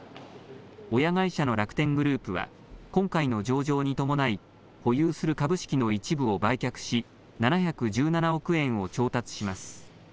親会社の楽天グループは今回の上場に伴い保有する株式の一部を売却し７１７億円を調達します。